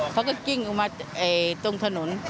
เขาก็กิ้งออกมาตรงถนน